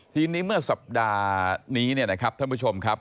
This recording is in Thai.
ทีนี้เมื่อสัปดาห์นี้เนี่ยนะครับท่านผู้ชมครับ